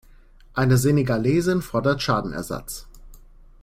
Eine Senegalesin fordert Schadenersatz.